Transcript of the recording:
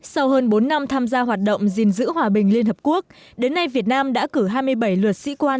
sau hơn bốn năm tham gia hoạt động gìn giữ hòa bình liên hợp quốc đến nay việt nam đã cử hai mươi bảy luật sĩ quan